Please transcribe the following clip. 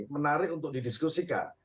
menarik untuk didiskusikan